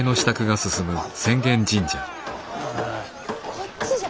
こっちじゃ。